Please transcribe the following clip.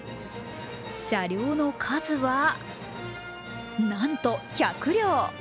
車両の数は、なんと１００両。